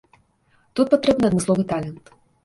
Тут патрэбны адмысловы талент.